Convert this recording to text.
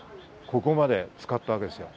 ここまでつかったわけですよ。